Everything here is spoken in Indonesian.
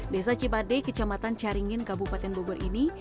desa cipade kecamatan caringin kabupaten bogor ini